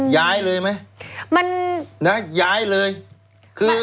ย้ายเลยมั้ยย้ายเลยมั้ยคือ